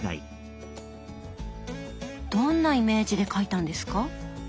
どんなイメージで描いたんですか？